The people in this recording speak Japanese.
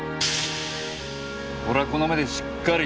俺はこの目でしっかり見てるぞ。